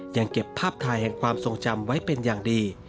ยังเก็บภาพถ่ายแห่งความทรงจำไว้เป็นอย่างดี